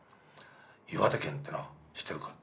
岩手県ってな知ってるか。